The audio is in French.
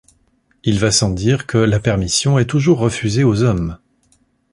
Il va sans dire que la permission est toujours refusée aux hommes.